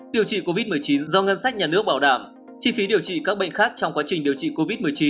điều trị covid một mươi chín do ngân sách nhà nước bảo đảm chi phí điều trị các bệnh khác trong quá trình điều trị covid một mươi chín